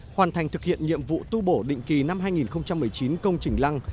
hoàn thành thực hiện nhiệm vụ tu bổ định kỳ năm hai nghìn một mươi chín công trình lăng